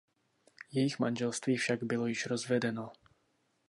Jejich manželství však bylo již rozvedeno.